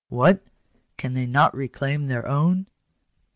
What, can they not reclaim their own